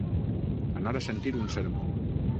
Anar a sentir un sermó.